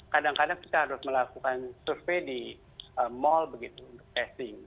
kadang kadang kita harus melakukan survei di mall testing